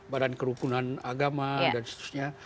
badan kerukunan agama dan seterusnya